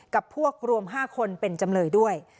กับพวกรวม๕คนเป็นจำเลยด้วย